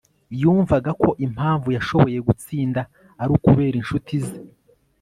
Yumvaga ko impamvu yashoboye gutsinda ari ukubera inshuti ze